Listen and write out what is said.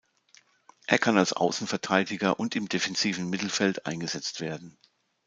Er kann als Außenverteidiger und im defensiven Mittelfeld eingesetzt werden.